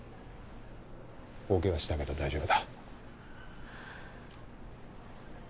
大怪我したけど大丈夫だ。